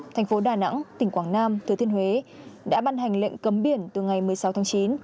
thành phố đà nẵng tỉnh quảng nam thứ thiên huế đã ban hành lệnh cấm biển từ ngày một mươi sáu tháng chín